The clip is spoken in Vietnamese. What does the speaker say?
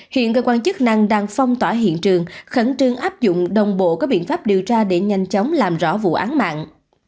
hiện cơ quan chức năng đang phong tỏa hiện trường khẩn trương áp dụng đồng bộ các biện pháp điều tra để nhanh chóng làm rõ vụ án mạng